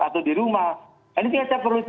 atau di rumah ini kita perlu